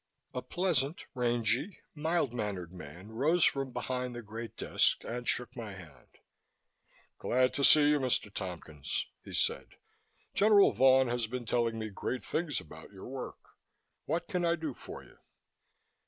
A pleasant, rangy, mild mannered man rose from behind the great desk and shook my hand. "Glad to see you, Mr. Tompkins," he said. "General Vaughan has been telling me great things about your work. What can I do for you?"